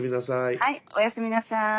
はいおやすみなさい。